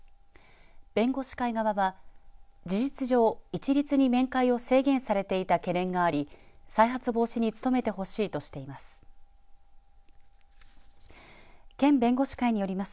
弁護士会側は事実上一律に面会を制限されていた懸念があり再発防止に努めてほしいとしています。